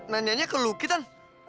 nanyanya ke luki tan